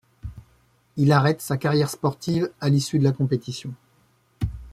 Il arrête sa carrière sportive à l'issue de la compétition.